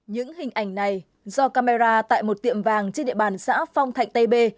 những hình ảnh này do camera tại một tiệm vàng trên địa bàn xã phong thạnh tây b